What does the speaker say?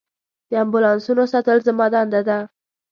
د امبولانسونو ساتل زما دنده ده.